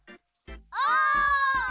お！